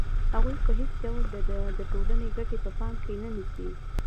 هغوی په هېڅ ډول د ټولنې ګټې په پام کې نه نیسي